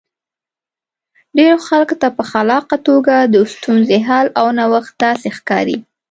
ډېرو خلکو ته په خلاقه توګه د ستونزې حل او نوښت داسې ښکاري.